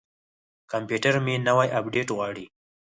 کمپیوټر مې نوی اپډیټ غواړي.